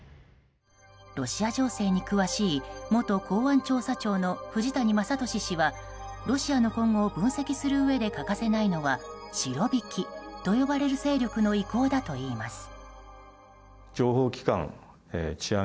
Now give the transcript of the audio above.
ロシア情勢に詳しい元公安調査庁の藤谷昌敏氏はロシアの今後を分析するうえで欠かせないのはシロビキと呼ばれる勢力の意向だといいます。